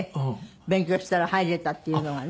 勉強したら入れたっていうのがね。